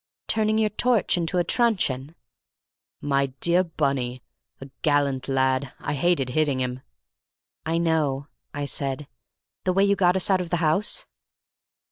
"Turning your torch into a truncheon?" "My dear Bunny! A gallant lad—I hated hitting him." "I know," I said. "The way you got us out of the house!"